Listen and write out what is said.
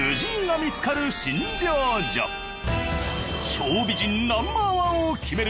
腸美人ナンバーワンを決める